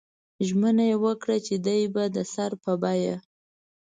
ژمنه یې وکړه چې دی به د سر په بیه.